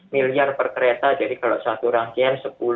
miliar per kereta jadi kalau satu rangkaian